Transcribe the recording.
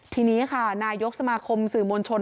ทีนี้ค่ะนายกสมาคมสื่อมวลชน